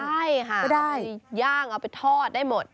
ใช่ค่ะก็ได้ย่างเอาไปทอดได้หมด